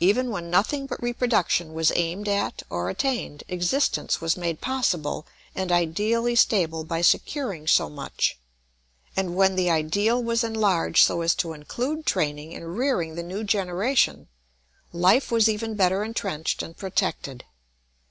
Even when nothing but reproduction was aimed at or attained, existence was made possible and ideally stable by securing so much; and when the ideal was enlarged so as to include training and rearing the new generation, life was even better intrenched and protected.